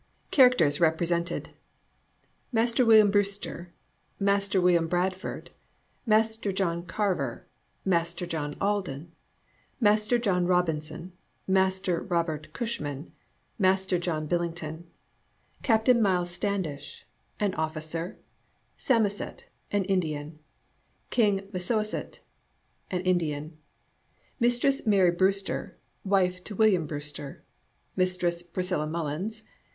CHARACTERS REPRESENTED MASTER WILLIAM BREWSTER. WILLIAM BRADFORD. JOHN CARVER. JOHN ALDEN. JOHN ROBINSON. ROBERT CUSHMAN. JOHN BILLINGTON. CAPTAIN MILES STANDISH. AN OFFICER. SAMOSET, an Ind an. KING MASSASOIT, an Indian. MISTRESS MARY BREWSTER, wife to William Brewster. PRISCILLA MULLINS.